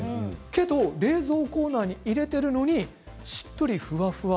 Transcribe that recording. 冷蔵コーナーに入れているのにしっとり、ふわふわ。